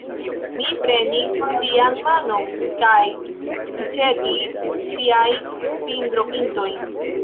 Mi prenis ŝian manon kaj suĉetis ŝiajn fingropintojn.